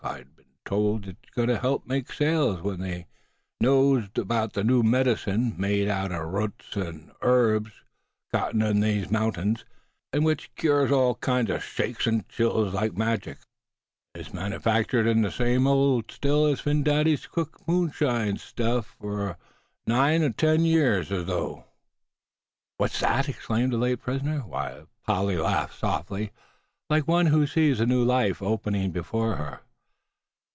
I be'n tole thet it ort ter help make sales, w'en they knows the new medicine, made outen roots an' yarbs got in ther mountings, an' wich cures all kinds o' shakes an' chills like magic, is manufactured in ther same old Still as Phin Dady cooked moonshine stuff foh nigh on ten hull yeahs." "What's that?" exclaimed the late prisoner, while Polly laughed softly, like one who sees a new life opening up before her.